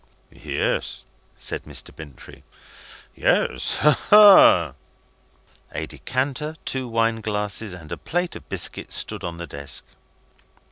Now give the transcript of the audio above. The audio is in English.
"Yes," said Mr. Bintrey. "Yes. Ha, ha!" A decanter, two wine glasses, and a plate of biscuits, stood on the desk.